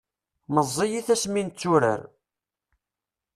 meẓẓiyit asmi netturar